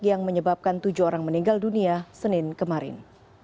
yang menyebabkan tujuh orang meninggal dunia senin kemarin